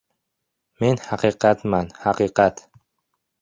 Men — haqiqatman, haqiqat!